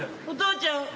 お父ちゃん。